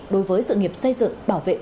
đối với sự nghiệp xây dựng bảo vệ